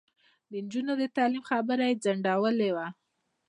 د نجونو د تعلیم خبره یې ځنډولې وه.